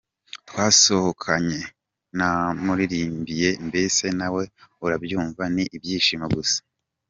Twasohokanye, namuririmbiye, mbese nawe urabyumva ni ibyishimo gusa! Kugeza n’ubu turacyari kumwe!”.